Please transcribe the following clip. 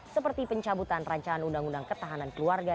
seperti pencabutan rancangan undang undang ketahanan keluarga